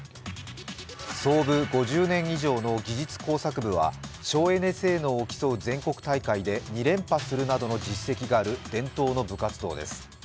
創部５０年以上の技術工作部は省エネ性能を競うレースの全国大会で２連覇するなどの実績がある伝統の部活動です。